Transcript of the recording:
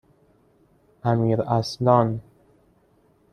امیراصلان